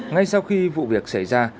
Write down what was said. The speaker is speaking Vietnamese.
ngay sau khi vụ việc xảy ra